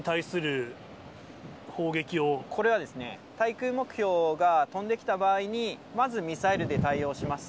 これはですね、対空目標が飛んできた場合に、まずミサイルで対応します。